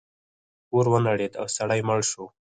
کور ونړید او سړی مړ شو.